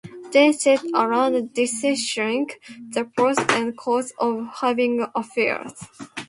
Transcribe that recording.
They sit around discussing the pros and cons of having affairs.